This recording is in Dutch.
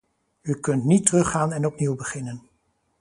U kunt niet teruggaan en opnieuw beginnen.